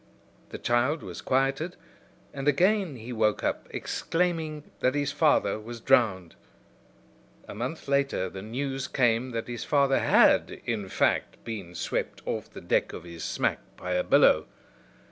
The child was quieted, and again he woke up exclaiming that his father was drowned. A month later the news came that his father had, in fact, been swept off the deck of his smack by a billow.